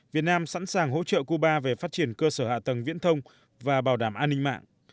việt nam sẵn sàng hỗ trợ cuba về phát triển cơ sở hạ tầng viễn thông và bảo đảm an ninh mạng